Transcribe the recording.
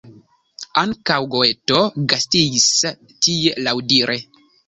Ankaŭ Goeto gastis tie, laŭdire.